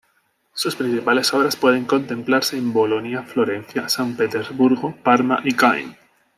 Sus principales obras pueden contemplarse en Bolonia, Florencia, San Petersburgo, Parma y Caen.